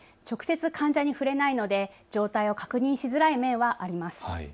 直接患者に触れないので状態を確認しづらい面はあります。